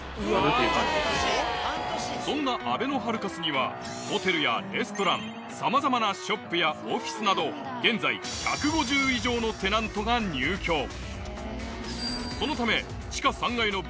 そんなあべのハルカスにはホテルやレストランさまざまなショップやオフィスなど現在１５０以上のテナントが入居